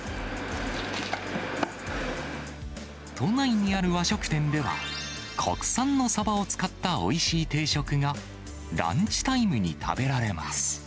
都内にある和食店では、国産のサバを使ったおいしい定食が、ランチタイムに食べられます。